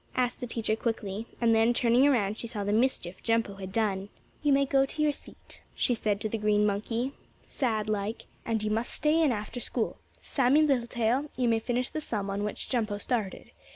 asked the teacher quickly, and then, turning around, she saw the mischief Jumpo had done. "You may go to your seat," she said to the green monkey, sad like, "and you must stay in after school. Sammie Littletail, you may finish the sum on which Jumpo started.